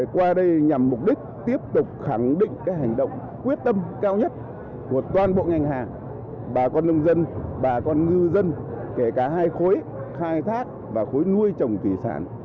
qua đây nhằm mục đích tiếp tục khẳng định hành động quyết tâm cao nhất của toàn bộ ngành hàng bà con nông dân bà con ngư dân kể cả hai khối khai thác và khối nuôi trồng thủy sản